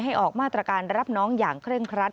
ออกมาตรการรับน้องอย่างเคร่งครัด